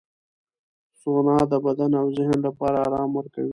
سونا د بدن او ذهن لپاره آرام ورکوي.